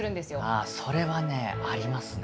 ああそれはねありますね。